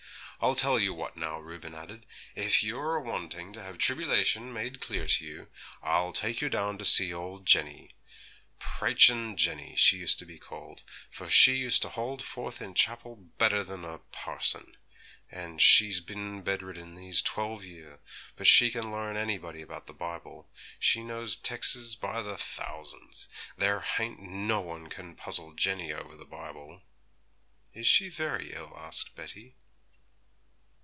'I tell you what, now,' Reuben added; 'if you're a wantin' to have tribbylation made clear to you, I'll take you down to see old Jenny praychin' Jenny, she used to be called for she used to hold forth in chapel bettern than a parson. And she's bin bedridden these twelve year; but she can learn anybody about the Bible; she knows tex's by thousands; there hain't no one can puzzle Jenny over the Bible.' 'Is she very ill?' asked Betty.